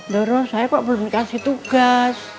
dorong saya kok belum kasih tugas